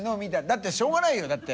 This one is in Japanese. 世辰しょうがないよだって。